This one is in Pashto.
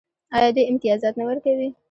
آیا دوی امتیازات نه ورکوي؟